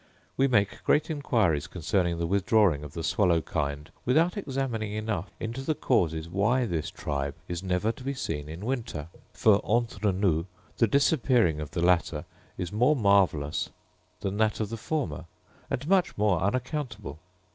We make great inquiries concerning the withdrawing of the swallow kind, without examining enough into the causes why this tribe is never to be seen in winter; for, entre nous, the disappearing of the latter is more marvellous than that of the former, and much more unaccountable.